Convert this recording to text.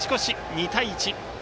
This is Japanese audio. ２対１。